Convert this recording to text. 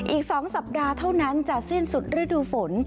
อีก๒สัปดาห์เท่านั้นจะสิ้นสุดฤดูฝน